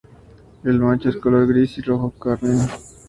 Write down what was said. El macho es de color gris y rojo carmín.